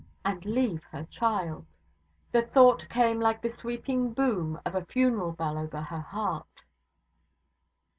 And leave her child! The thought came like the sweeping boom of a funeral bell over her heart.